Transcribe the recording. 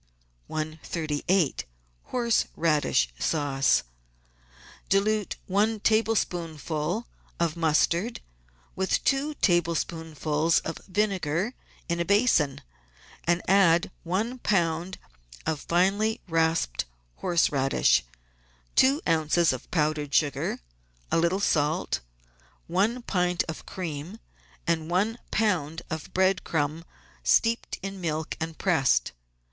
138— HORSE RADISH SAUCE Dilute one tablespoonful of mustard with two tablespoonfuls of vinegar in a basin, and add one lb. of finely rasped horse radish, two oz. of powdered sugar, a little salt, one pint of cream, and one lb. of bread crumb steeped in milk and pressed.